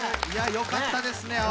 いやよかったですね